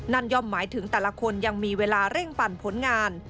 ย่อมหมายถึงแต่ละคนยังมีเวลาเร่งปั่นผลงาน